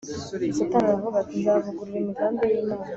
Satani aravuga ati Nzavuguruza imigambi yImana